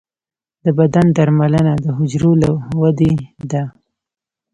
د بدن درملنه د حجرو له ودې ده.